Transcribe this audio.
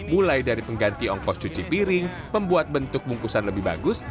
mulai dari pengganti ongkos cuci piring membuat bentuk bungkusan lebih bagus